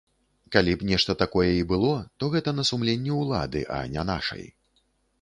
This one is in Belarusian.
Калі б нешта такое і было, то гэта на сумленні ўлады, а не нашай.